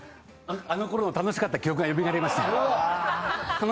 あのころの楽しかった記憶がよみがえりました。